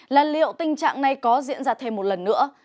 là liệu tình trạng này có diễn ra thêm một lần nữa